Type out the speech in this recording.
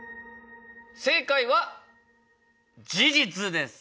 正解は事実です。